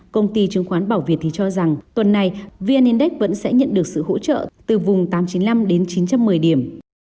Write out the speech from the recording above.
công ty chứng khoán bảo việt cho rằng tuần này vn index vẫn sẽ nhận được sự hỗ trợ từ vùng tám trăm chín mươi năm đến chín trăm một mươi điểm